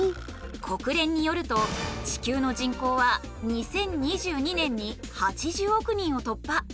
国連によると地球の人口は２０２２年に８０億人を突破。